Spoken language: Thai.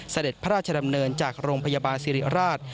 เสด็จพระราชดำเนินจากโรงพยาบาลสิริราช